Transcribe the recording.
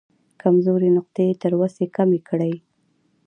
کمزورې نقطې یې تر وسې کمې کړې.